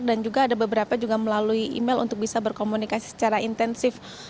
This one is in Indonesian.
dan juga ada beberapa juga melalui email untuk bisa berkomunikasi secara intensif